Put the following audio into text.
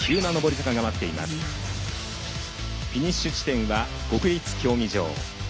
フィニッシュ地点は国立競技場。